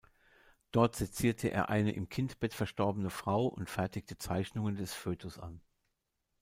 Dort sezierte er eine im Kindbett verstorbene Frau und fertigte Zeichnungen des Foetus an.